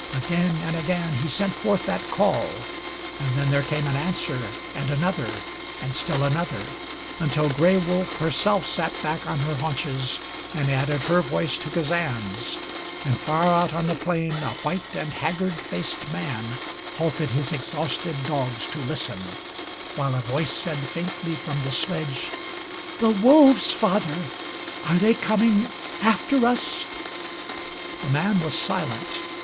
Again and again he sent forth that call, and then there came an answer and another and still another, until Gray Wolf herself sat back on her haunches and added her voice to Kazan's, and far out on the plain a white and haggard faced man halted his exhausted dogs to listen, while a voice said faintly from the sledge: "The wolves, father. Are they coming after us?" The man was silent.